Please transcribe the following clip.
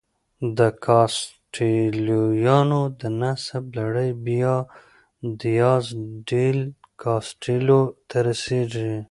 د کاسټیلویانو د نسب لړۍ بیا دیاز ډیل کاسټیلو ته رسېږي.